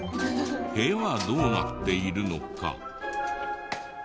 部屋はどうなっているのか。